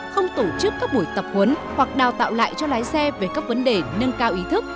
không tổ chức các buổi tập huấn hoặc đào tạo lại cho lái xe về các vấn đề nâng cao ý thức